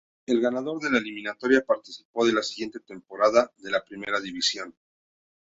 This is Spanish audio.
El ganador de la eliminatoria participó de la siguiente temporada de la Primera Divisió.